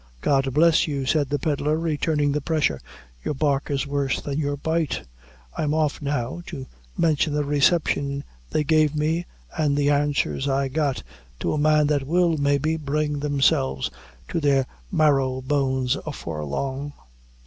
"God bless you!" said the pedlar, returning the pressure; "your bark is worse than your bite. I'm off now, to mention the reception they gave me and the answers I got, to a man that will, maybe, bring themselves to their marrow bones afore long."